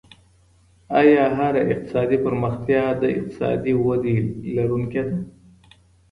آيا هره اقتصادي پرمختيا د اقتصادي ودي لرونکې ده؟